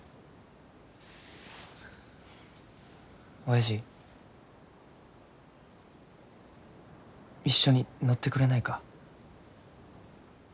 おやじ一緒に乗ってくれないか。